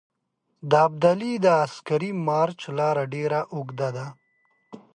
د ابدالي د عسکري مارچ لاره ډېره اوږده ده.